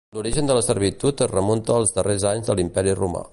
L'origen de la servitud es remunta als darrers anys de l'Imperi romà.